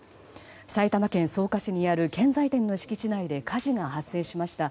埼玉県草加市にある建材店の敷地内で火事が発生しました。